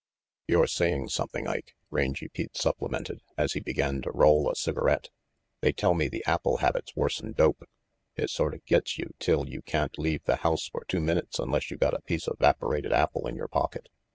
"You're saying something, Ike," Rangy Pete supplemented, as he began to roll a cigarette. "They tell me the apple habit's worse'n dope. It sorta get's you till you can't leave the house for two minutes unless you got a piece of 'vaporated apple in your pocket.